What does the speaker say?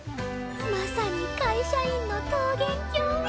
まさに会社員の桃源郷。